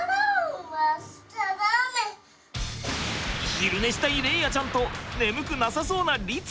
昼寝したい伶哉ちゃんと眠くなさそうな律貴ちゃん。